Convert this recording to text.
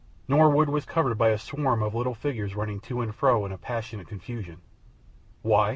Norwood was covered by a swarm of little figures running to and fro in a passionate confusion. Why?